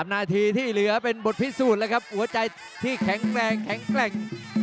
นาทีที่เหลือเป็นบทพิสูจน์เลยครับหัวใจที่แข็งแรงแข็งแกร่ง